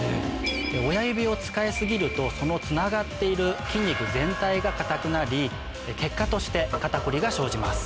親指を使い過ぎるとそのつながっている筋肉全体が硬くなり結果として肩こりが生じます。